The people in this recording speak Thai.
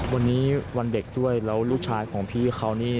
วันนี้วันเด็กด้วยแล้วลูกชายของพี่เขานี่